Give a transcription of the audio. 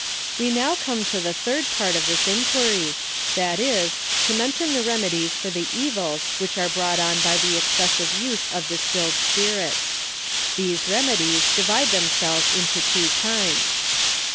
WE come now to the third part of this Inquiry, that is, to mention the remedies for the evils which are brought on by the excessive use of distilled spirits. These remedies divide themselves into two kinds.